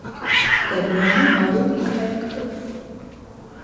گرمیوں میں آڑو بھی کھایا کرو